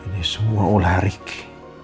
ini semua ular riki